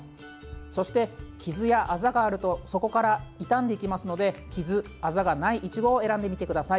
そして傷やあざがあるとそこから傷んできますので傷、あざがないいちごを選んでみてください。